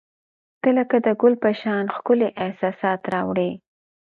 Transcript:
• ته لکه د ګل په شان ښکلي احساسات راوړي.